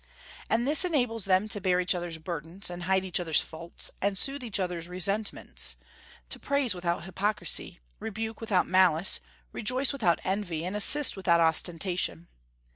And this enables them to bear each other's burdens, and hide each other's faults, and soothe each other's resentments; to praise without hypocrisy, rebuke without malice, rejoice without envy, and assist without ostentation.